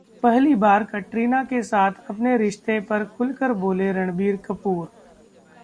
पहली बार कटरीना के साथ अपने रिश्ते पर खुलकर बोले रणबीर कपूर